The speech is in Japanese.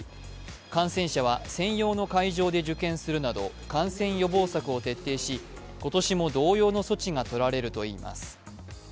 感染者は専用の会場で受験するなど感染予防策を徹底し、今年も同様の措置がとられるといいます。